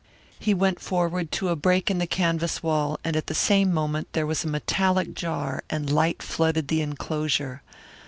He went forward to a break in the canvas wall and at the same moment there was a metallic jar and light flooded the enclosure.